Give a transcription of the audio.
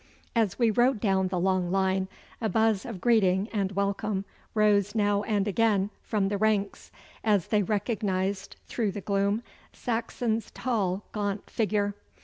As we rode down the long line a buzz of greeting and welcome rose now and again from the ranks as they recognised through the gloom Saxon's tall, gaunt figure.